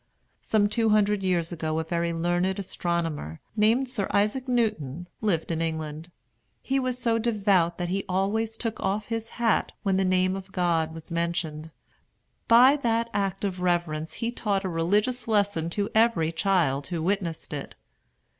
Some two hundred years ago a very learned astronomer named Sir Isaac Newton lived in England. He was so devout that he always took off his hat when the name of God was mentioned. By that act of reverence he taught a religious lesson to every child who witnessed it.